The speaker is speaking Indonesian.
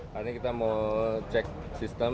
hari ini kita mau cek sistem